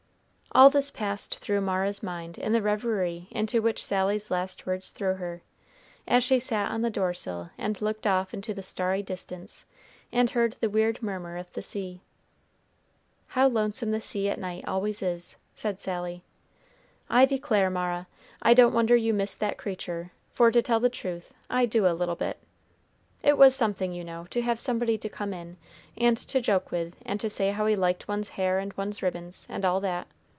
All this passed through Mara's mind in the reverie into which Sally's last words threw her, as she sat on the door sill and looked off into the starry distance and heard the weird murmur of the sea. "How lonesome the sea at night always is," said Sally. "I declare, Mara, I don't wonder you miss that creature, for, to tell the truth, I do a little bit. It was something, you know, to have somebody to come in, and to joke with, and to say how he liked one's hair and one's ribbons, and all that.